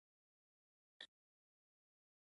آیا د جواز اخیستل آنلاین شوي؟